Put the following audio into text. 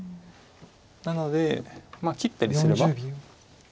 なので切ったりすれば。